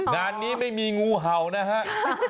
งานนี้ไม่มีงูเห่านะฮะ